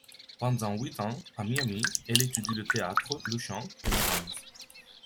Pendant huit ans, à Miami, elle étudie le théâtre, le chant et la danse.